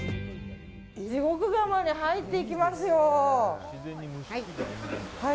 地獄釜に入っていきますよ。